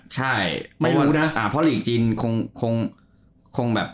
ใช่ไม่รู้น่ะอ่ะเพราะว่าภาพหลีกจีนคงคงคงแบบ